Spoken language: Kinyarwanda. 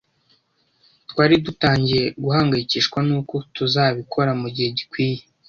Twari dutangiye guhangayikishwa nuko utazabikora mugihe gikwiye.